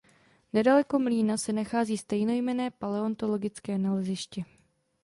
Nedaleko mlýna se nachází stejnojmenné paleontologické naleziště.